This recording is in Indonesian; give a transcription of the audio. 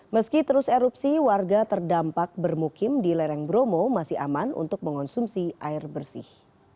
meski terus erupsi warga terdampak bermukim di lereng bromo masih aman untuk mengonsumsi air bersih